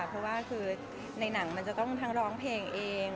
เพราะว่าคือในหนังมันจะต้องทั้งร้องเพลงเอง